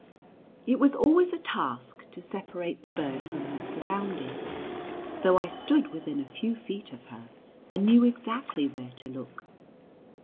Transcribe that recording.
It was always a task to separate the bird from her surroundings, though I stood within a few feet of her, and knew exactly where to look.